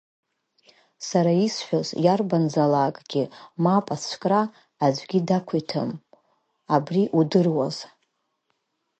Сара исҳәаз иарбанзаалакгьы мап ацәкра аӡәгьы дақәиҭым, абри удыруаз!